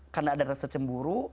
karena ada rasa cemburu